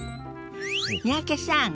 三宅さん